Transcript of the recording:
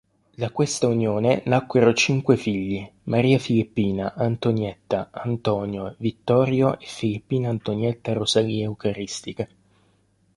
Da questa unione nacquero cinque figli: Maria Filippina, Antonietta, Antonio, Vittorio e Filippina-Antonietta-Rosalia-Eucaristica.